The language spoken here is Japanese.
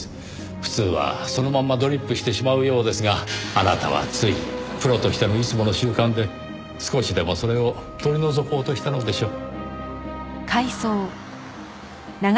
普通はそのままドリップしてしまうようですがあなたはついプロとしてのいつもの習慣で少しでもそれを取り除こうとしたのでしょう。